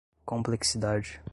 complexidade